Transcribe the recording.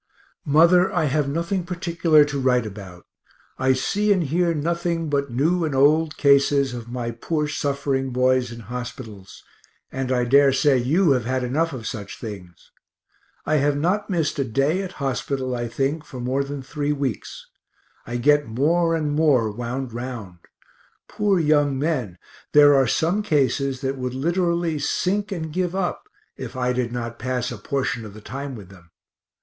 Mother, I have nothing particular to write about I see and hear nothing but new and old cases of my poor suffering boys in hospitals, and I dare say you have had enough of such things. I have not missed a day at hospital, I think, for more than three weeks I get more and more wound round. Poor young men there are some cases that would literally sink and give up if I did not pass a portion of the time with them.